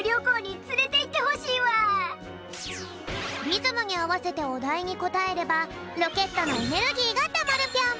リズムにあわせておだいにこたえればロケットのエネルギーがたまるぴょん。